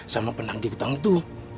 sama penagih hutang itu